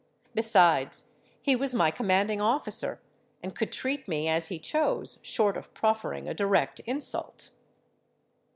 Besides, he was my commanding officer, and could treat me as he chose, short of proffering a direct insult."